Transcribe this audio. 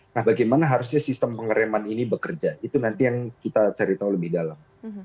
nah bagaimana harusnya sistem pengereman ini bekerja itu nanti yang kita cari tahu lebih dalam